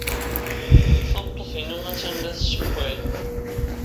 Tameṭṭut-inu attan la tessewway.